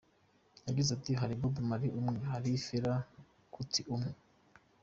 Yagize ati “Hari Bob Marley umwe, hari Fela Kuti umwe.